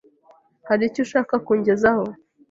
Hari icyo ushaka ko nkugezaho?